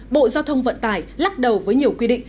bộ giao thông vận tải lắc đầu với nhiều quy định